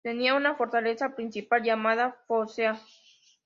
Tenía una fortaleza principal llamada Focea.